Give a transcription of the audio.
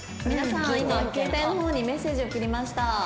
「皆さん今携帯の方にメッセージ送りました」